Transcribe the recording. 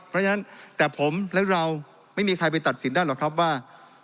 เพราะฉะนั้นแต่ผมและเราไม่มีใครไปตัดสินได้หรอกครับว่า